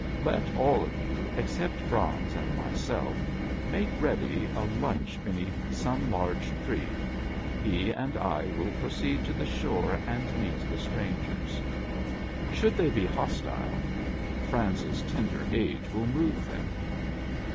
Let all of you, except Franz and myself, make ready a lunch beneath some large tree ; he and I will proceed to the shore and meet the strangers. Should they be hostile, Franz's tender age will move them."